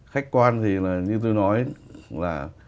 khách quan thì như tôi nói là